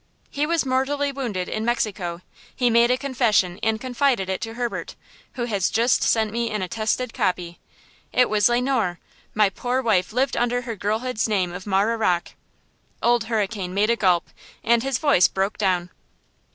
"He was mortally wounded in Mexico. He made a confession and confided it to Herbert, who has just sent me an attested copy. It was Le Noir. My poor wife lived under her girlhood's name of Marah Rocke." Old Hurricane made a gulp, and his voice broke down.